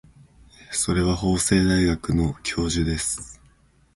それは法政大学の教授です。